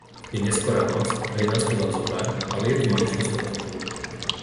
Je neskorá noc a je nás tu len zopár, ale je tu maličkosť protokolu.